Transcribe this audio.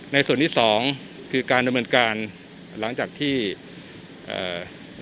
ส่วนที่สองคือการดำเนินการหลังจากที่เอ่อ